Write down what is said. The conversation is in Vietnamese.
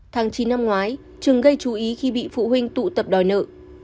tháng chín năm ngoái trường gây chú ý khi bị phụ huynh tụ tập đòi nợ